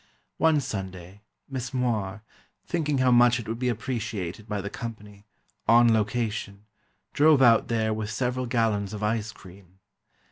One Sunday, Miss Moir, thinking how much it would be appreciated by the company, "on location," drove out there with several gallons of ice cream.